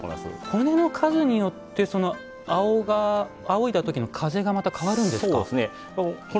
骨の数によってあおいだときの風が変わるんですか。